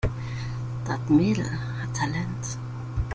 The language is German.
Das Mädel hat Talent.